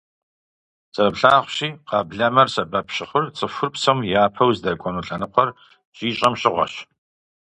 Зэрыплъагъущи, къэблэмэр сэбэп щыхъур цӀыхур псом япэу здэкӀуэну лъэныкъуэр щищӀэм щыгъуэщ.